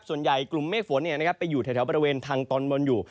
ส่วนใหญ่กลุ่มเมฆฝนไปอยู่แถวบริเวณทางตอนบนอยู่